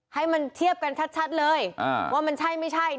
ให้มันเทียบกันชัดเลยว่ามันใช่ไม่ใช่